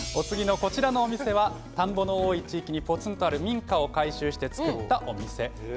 こちらは田んぼの多い地域にぽつんとある民家を改修して造ったお店です。